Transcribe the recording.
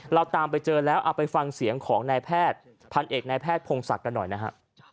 เราตามไปเจอแล้วเอาไปฟังเสียงของนายแพทย์พันเอกนายแพทย์พงศักดิ์กันหน่อยนะฮะ